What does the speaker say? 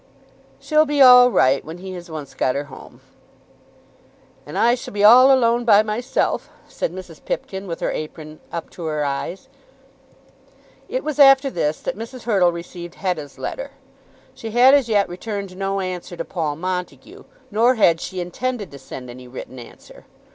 "She'll be all right when he has once got her home." "And I shall be all alone by myself," said Mrs. Pipkin, with her apron up to her eyes. It was after this that Mrs. Hurtle received Hetta's letter. She had as yet returned no answer to Paul Montague, nor had she intended to send any written answer.